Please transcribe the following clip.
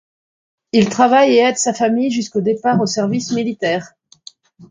Il travaille et aide sa famille jusqu’au départ au service militaire.